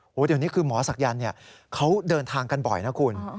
เดี๋ยวนี้คือหมอศักยันต์เขาเดินทางกันบ่อยนะคุณ